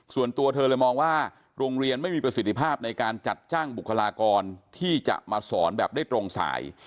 ส่วนตัวเธอเลยมองว่าโรงเรียนไม่มีประสิทธิภาพในการจัดจ้างบุคลากรที่จะมาสอนแบบได้ตรงสาย